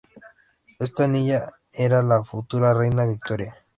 Esta niña era la futura reina Victoria.